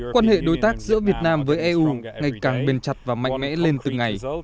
quan hệ đối tác giữa việt nam với eu ngày càng bền chặt và mạnh mẽ lên từng ngày